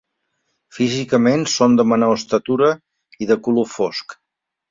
Físicament són de menor estatura i de color fosc.